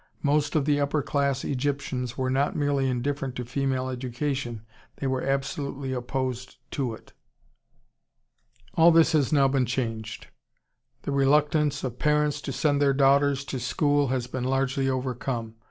Most of the upper class Egyptians were not merely indifferent to female education; they were absolutely opposed to it.... "All this has now been changed. The reluctance of parents to send their daughters to school has been largely overcome....